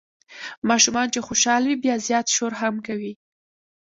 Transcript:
ماشومان چې خوشال وي بیا زیات شور هم کوي.